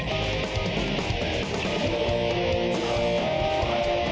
ฟ้ายเตอร์